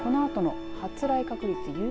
このあとの発雷確率